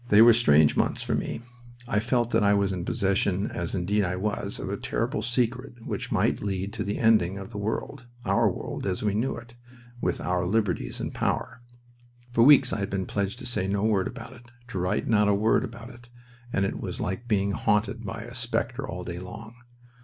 They were strange months for me. I felt that I was in possession, as indeed I was, of a terrible secret which might lead to the ending of the world our world, as we knew it with our liberties and power. For weeks I had been pledged to say no word about it, to write not a word about it, and it was like being haunted by a specter all day long.